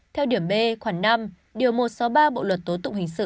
theo điểm b khoảng năm điều một trăm sáu mươi ba bộ luật tố tụng hình sự hai nghìn một mươi năm